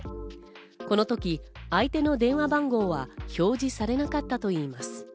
この時、相手の電話番号は表示されなかったといいます。